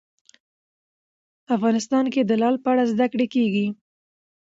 افغانستان کې د لعل په اړه زده کړه کېږي.